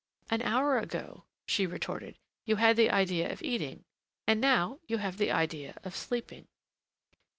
"An hour ago," she retorted, "you had the idea of eating, and now you have the idea of sleeping."